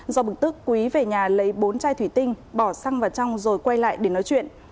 do bực tức quý về nhà lấy bốn chai thủy tinh bỏ xăng vào trong rồi quay lại để nói chuyện